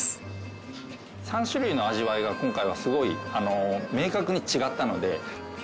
３種類の味わいが今回はすごい明確に違ったので。